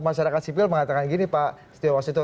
masyarakat sipil mengatakan gini pak setiawas itu